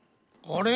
あれ？